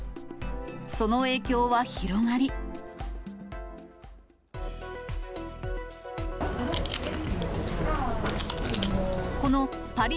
その影響は広がり。